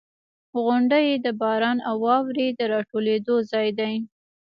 • غونډۍ د باران او واورې د راټولېدو ځای دی.